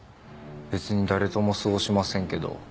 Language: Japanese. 別に誰とも過ごしませんけど。